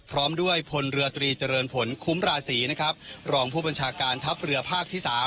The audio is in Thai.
พร้อมด้วยพลเรือตรีเจริญผลคุ้มราศีนะครับรองผู้บัญชาการทัพเรือภาคที่๓